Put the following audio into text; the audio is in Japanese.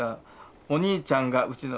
おにいちゃんがうちの。